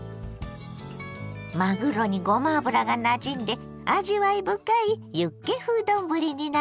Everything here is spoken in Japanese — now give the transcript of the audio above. まぐろにごま油がなじんで味わい深いユッケ風丼になりました。